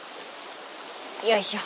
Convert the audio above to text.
よいしょ。